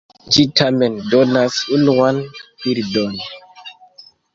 Ĝi tamen donas unuan bildon.